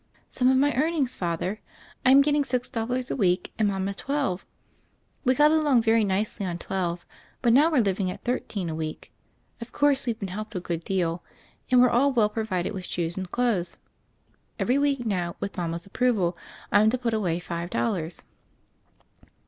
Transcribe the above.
"Some of my earnings. Father. I'm getting six dollars a week and mama twelve. We got along very nicely on twelve, but now we're liv ing at thirteen a week. Of course, we've been helped a good deal; and we're all well provided with shoes and clothes. Every week now, with mama's approval, I'm to put away five dollars."